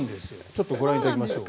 ちょっとご覧いただきましょう。